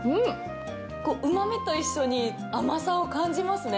うま味と一緒に甘さを感じますね。